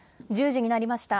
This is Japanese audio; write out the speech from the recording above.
１０時になりました。